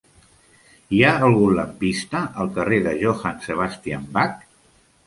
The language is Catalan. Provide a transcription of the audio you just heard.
Hi ha algun lampista al carrer de Johann Sebastian Bach?